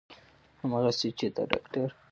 همغسې چې د داکتر